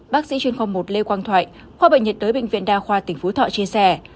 bác sĩ chuyên khoa một lê quang thoại khoa bệnh nhiệt đới bệnh viện đa khoa tỉnh phú thọ chia sẻ